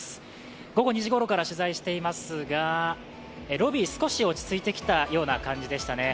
午後２時ごろから取材していますがロビー、少し落ち着いてきた感じでしたね。